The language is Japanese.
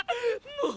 もう！！